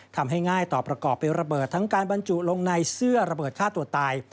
ง่ายต่อประกอบเป็นระเบิดทั้งการบรรจุลงในเสื้อระเบิดฆ่าตัวตาย